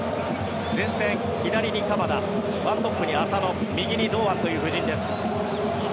前線、左に鎌田１トップに浅野右に堂安という布陣です。